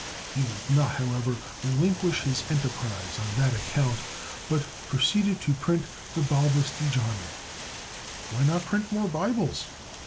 He would not, however, relinquish his enterprise on that account, but proceeded to print the "Balbus de Janua." "Why not print more Bibles?"